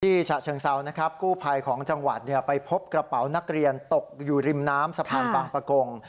ฉะเชิงเซานะครับกู้ภัยของจังหวัดไปพบกระเป๋านักเรียนตกอยู่ริมน้ำสะพานบางประกง